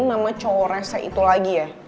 nama cowok restnya itu lagi ya